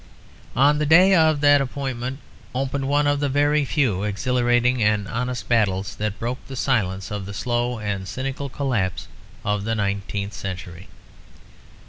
On the day of that appointment opened one of the very few exhilarating and honest battles that broke the silence of the slow and cynical collapse of the nineteenth century.